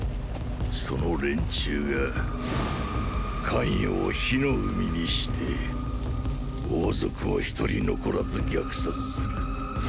その連中がーー咸陽を火の海にして王族を一人残らず虐殺する。